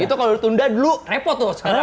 itu kalau ditunda dulu repot tuh sekarang